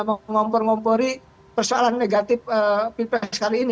mengompor ngompori persoalan negatif pilpres kali ini